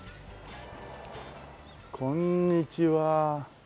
こんにちは。